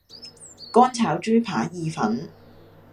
乾炒豬扒意粉